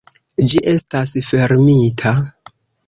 Ĝi estas fermita.